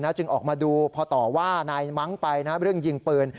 จึงออกมาดูพอต่อว่านายมั้งไปเรื่องยิงปืน